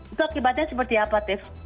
itu akibatnya seperti apa tips